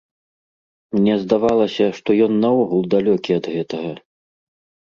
Мне здавалася, што ён наогул далёкі ад гэтага.